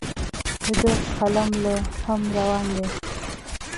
د ده قلم لا هم روان دی.